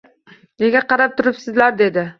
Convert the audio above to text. Nega qarab turibsizlar dedi